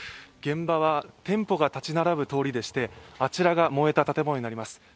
現場は店舗が建ち並ぶ通りでしてあちらが燃えた建物になります。